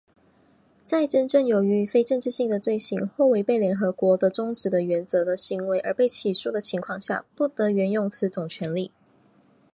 在真正由于非政治性的罪行或违背联合国的宗旨和原则的行为而被起诉的情况下,不得援用此种权利。